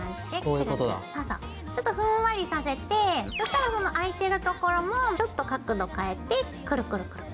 ちょっとふんわりさせてそしたらその開いてるところもちょっと角度変えてクルクルクル。